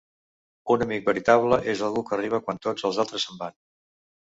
Un amic veritable és algú que arriba quan tots els altres se'n van.